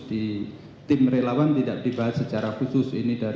di tim relawan tidak dibahas secara khusus